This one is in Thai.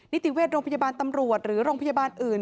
นิติเวชโรงพยาบาลตำรวจหรือโรงพยาบาลอื่น